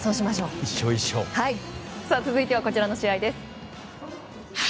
続いてはこちらの試合です。